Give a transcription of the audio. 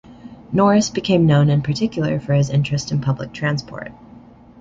Norris became known in particular for his interest in public transport.